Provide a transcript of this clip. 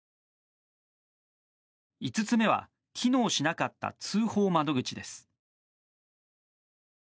５つ目は機能しなかった通報窓口です。